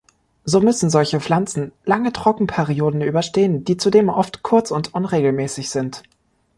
So müssen solche Pflanzen lange Trockenperioden überstehen, die zudem oft kurz und unregelmäßig sind.